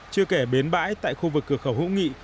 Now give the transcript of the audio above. chưa kể bến bãi tại khu vực cửa khẩu hữu nghị